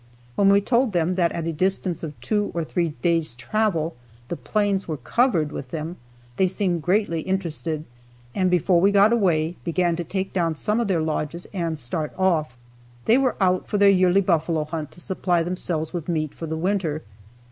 When we told them that at a distance of two or three days' travel the plains were covered with them, they seemed greatly interested and before we got away began to take down some of their lodges and start off. They were out for their yearly buffalo hunt to supply themselves with meat for the winter.